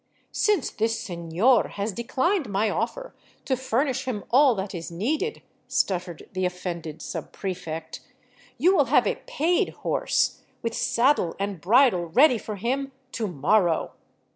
" Since this sefior has declined my ofi'er to furnish him all that is needed," stuttered the offended subprefect, " you will have a paid horse, with saddle and bridle, ready for him — to morrow."